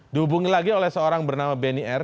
dihubungi lagi oleh seorang bernama benny r